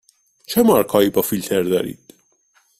چه مارک هایی با فیلتر دارید؟